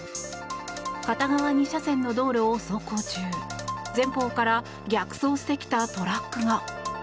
片側２車線の道路を走行中前方から逆走してきたトラックが。